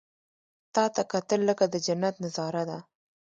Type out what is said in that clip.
• تا ته کتل، لکه د جنت نظاره ده.